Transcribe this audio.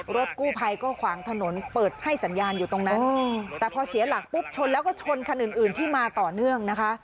รถกู้ภัยก็ขวางถนนเปิดให้สัญญาณอยู่ตรงนั้นแต่พอเสียหลักปุ๊บชนแล้วก็ชนคันอื่นอื่นที่มาต่อเนื่องนะคะ